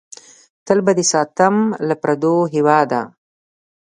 تل به دې ساتم له پردو هېواده!